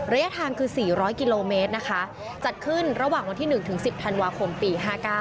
ระยะทางคือ๔๐๐กิโลเมตรนะคะจัดขึ้นระหว่างวันที่๑ถึง๑๐ธันวาคมปี๕๙